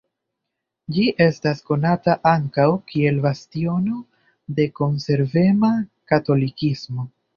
Ĝi estas konata ankaŭ kiel bastiono de konservema katolikismo.